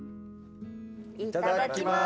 いただきます。